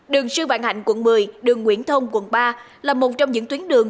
đường sư vạn hạnh quận một mươi đường nguyễn thông quận ba là một trong những tuyến đường